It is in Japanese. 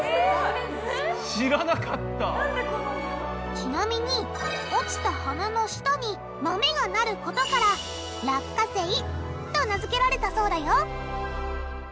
ちなみに落ちた花の下に豆が生ることから「落花生」と名付けられたそうだよ